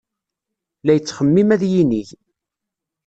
La yettxemmim ad yinig.